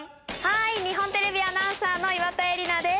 日本テレビアナウンサーの岩田絵里奈です。